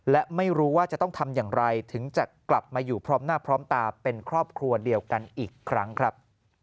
และไม่รู้ว่าจะต้องทำอย่างไรถึงจะกลับมาอยู่พร้อมหน้าพร้อมตาเป็นครอบครัวเดียวกันอีกครั้งครับ